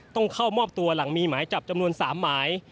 ต้องเข้ามอบตัวหลังมีหมายจับจำนวน๓หมาย